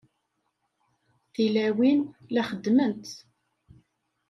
Tilawin la xeddment.